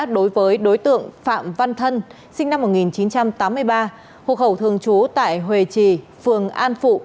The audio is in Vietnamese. đối với đối tượng phạm văn thân sinh năm một nghìn chín trăm tám mươi ba hộ khẩu thường trú tại hòe trì phường an phụ